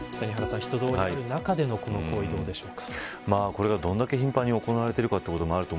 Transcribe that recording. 人通りのある中での行為いかがでしょうか。